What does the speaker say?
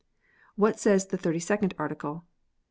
What says the Thirty second Article?